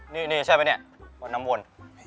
นี่ใช่ไหมเนี่ยบนน้ำวน